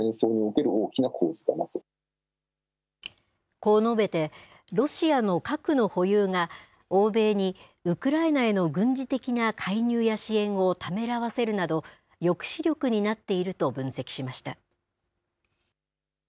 こう述べて、ロシアの核の保有が欧米にウクライナへの軍事的な介入や支援をためらわせるなど、抑止力になっていると分析しました。